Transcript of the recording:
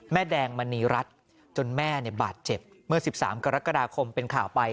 แม่แดงมาหนีรัดจนแม่เนี่ยบาดเจ็บเมื่อ๑๓กรกฎาคมเป็นข่าวไป